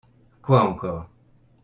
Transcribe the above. Quoi encore ?